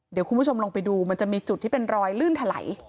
เดี๋ยวคุณผู้ชมลองไปดูมันจะมีจุดที่เป็นรอยลื่นถลัย